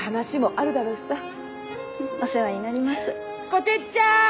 こてっちゃん！